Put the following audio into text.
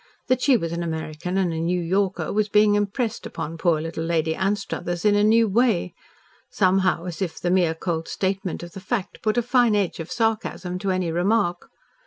That she was an American and a New Yorker was being impressed upon poor little Lady Anstruthers in a new way somehow as if the mere cold statement of the fact put a fine edge of sarcasm to any remark.